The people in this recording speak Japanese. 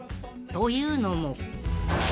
［というのも］